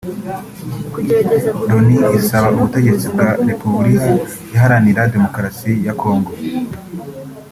Loni isaba ubutegetsi bwa Repubuliha Iharanira Demokarasi ya Congo